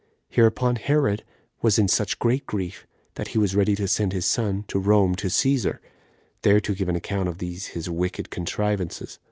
Hereupon Herod was in such great grief, that he was ready to send his son to Rome to Cæsar, there to give an account of these his wicked contrivances.